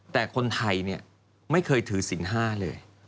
แต่คนไทยไม่เคยถือศิลป๕เลย